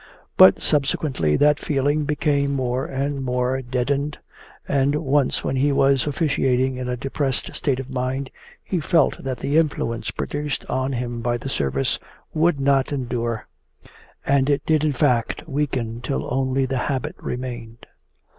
But subsequently that feeling became more and more deadened, and once when he was officiating in a depressed state of mind he felt that the influence produced on him by the service would not endure. And it did in fact weaken till only the habit remained.